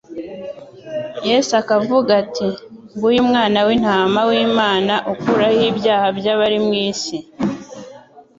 Yesu akavuga ati: " Nguyu umwana w'intama w'Imana ukuraho ibyaha by'abari mu isi!